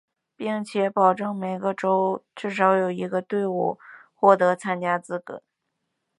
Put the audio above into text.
并且保证每一洲至少有一队伍都获得参加资格。